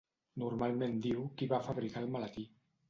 Normalment diu qui va fabricar el maletí.